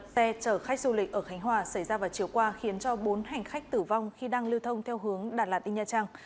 xe chở khách du lịch ở khánh hòa xảy ra vào chiều qua khiến cho bốn hành khách tử vong khi đang lưu thông theo hướng đà lạt đến nha trang